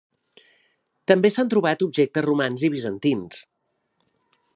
També s'han trobat objectes romans i bizantins.